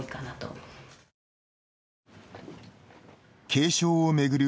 継承を巡る